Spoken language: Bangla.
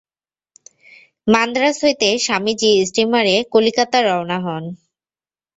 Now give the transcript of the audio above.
মান্দ্রাজ হইতে স্বামীজী স্টীমারে কলিকাতা রওনা হন।